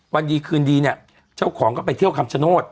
วันดีคืนดีเนี่ยเจ้าของก็ไปเที่ยวคำชโนธ